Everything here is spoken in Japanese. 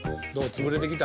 つぶれてきた？